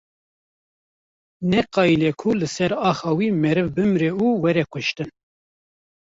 Neqayîle ku li ser axa wî meriv bimre û were kuştin.